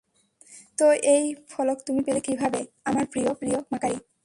তো, এই পান্নার ফলক তুমি পেলে কীভাবে, আমার প্রিয়, প্রিয় মাকারি?